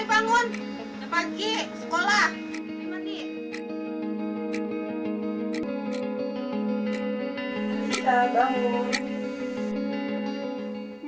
selamat pagi sekolah